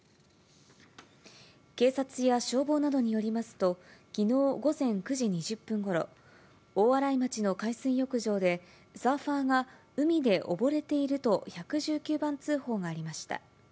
警察や消防などによりますと、きのう午前９時２０分ごろ、大洗町の海水浴場で、サーファーが海で溺れていると１１９番通報がありました。